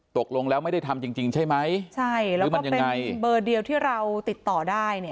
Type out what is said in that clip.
ตกลงแล้วไม่ได้ทำจริงจริงใช่ไหมใช่แล้วคือมันยังไงเบอร์เดียวที่เราติดต่อได้เนี่ย